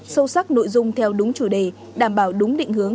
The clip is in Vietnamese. sâu sắc nội dung theo đúng chủ đề đảm bảo đúng định hướng